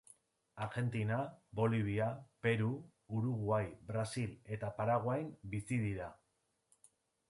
Argentina, Bolivia, Peru, Uruguai, Brasil eta Paraguain bizi dira.